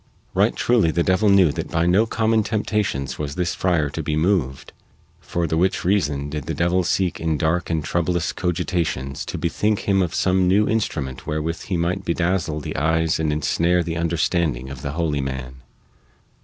Right truly the devil knew that by no common temptations was this friar to be moved, for the which reason did the devil seek in dark and troublous cogitations to bethink him of some new instrument wherewith he might bedazzle the eyes and ensnare the understanding of the holy man.